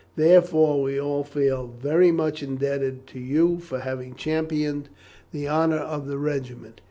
Therefore, we all feel very much indebted to you for having championed the honour of the regiment.